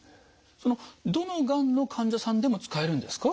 そのどのがんの患者さんでも使えるんですか？